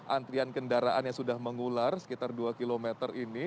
antrian kendaraan yang sudah mengular sekitar dua km ini